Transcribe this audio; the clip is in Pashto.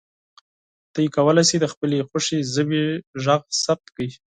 تاسو کولی شئ د خپلې خوښې ژبې غږ ثبت کړئ.